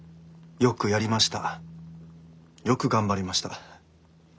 よくやりました！